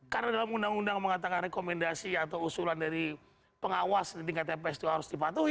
karena dalam undang undang mengatakan rekomendasi atau usulan dari pengawas di tingkat tps itu harus dipatuhi